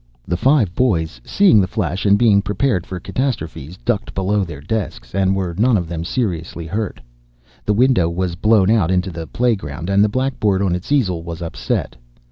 The five boys, seeing the flash and being prepared for catastrophes, ducked below their desks, and were none of them seriously hurt. The window was blown out into the playground, and the blackboard on its easel was upset.